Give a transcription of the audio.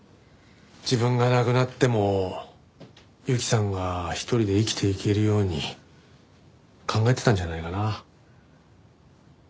自分が亡くなっても雪さんが一人で生きていけるように考えてたんじゃないかな。